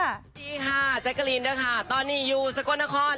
สวัสดีครับแจ๊กเกอรีนตอนนี้อยู่ที่สกลนคร